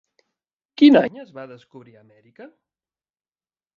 Quin any es va descobrir Amèrica?